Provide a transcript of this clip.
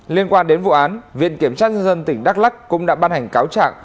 liên quan đến vụ án viện kiểm sát nhân dân tỉnh đắk lắc cũng đã ban hành cáo trạng